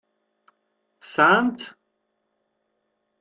Tesɛam-tt?